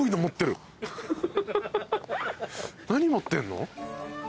何持ってんの？